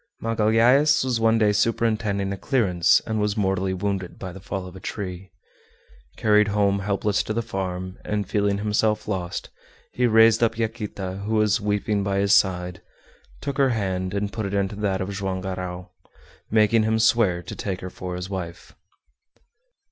Magalhaës was one day superintending a clearance and was mortally wounded by the fall of a tree. Carried home helpless to the farm, and feeling himself lost, he raised up Yaquita, who was weeping by his side, took her hand, and put it into that of Joam Garral, making him swear to take her for his wife.